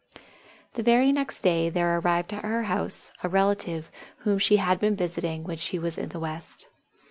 The very next day there arrived at her house a relative whom she had been visiting when she was in the West.